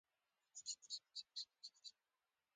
ساره تل د کورنۍ غوږونه د یو او بل له بدو خبرو ورډکوي.